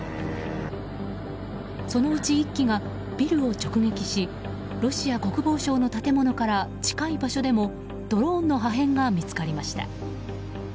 そのうち１機がビルを直撃しロシア国防省の建物から近い場所でもドローンの破片が見つかりました。